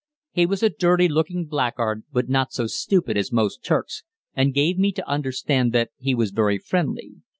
He was a dirty looking blackguard but not so stupid as most Turks, and gave me to understand that he was very friendly.